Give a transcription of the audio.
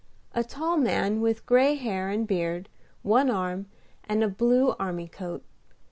A tall man with gray hair and beard, one arm, and a blue army coat.